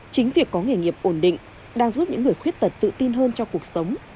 chính việc có nghề nghiệp ổn định đang giúp những người khuyết tật tự tin hơn cho cuộc sống